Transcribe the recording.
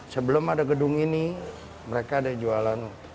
sebelum ada gedung ini mereka ada jualan